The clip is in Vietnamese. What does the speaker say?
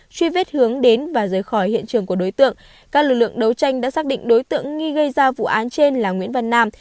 truy vết hướng đến và rời khỏi hiện trường của đối tượng các lực lượng đấu tranh đã xác định đối tượng nghi gây ra vụ án trên là nguyễn văn nam